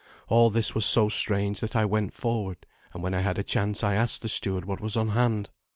All this was so strange that I went forward, and when I had a chance I asked the steward what was on hand.